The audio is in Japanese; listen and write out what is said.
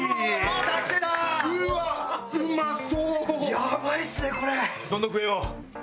ヤバいっすねこれ。